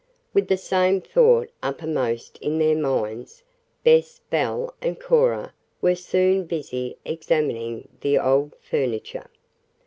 With the same thought uppermost in their minds, Bess, Belle and Cora were soon busy examining the old furniture.